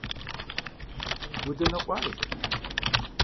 Удэнэ къуажэ?